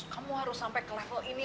kamu harus sampai ke level ini